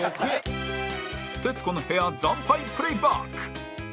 『徹子の部屋』惨敗プレイバック